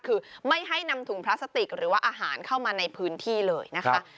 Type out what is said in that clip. คือไม่ให้นำถุงพลาสติกหรือว่าอาหารเข้ามาในพื้นที่เลยนะคะ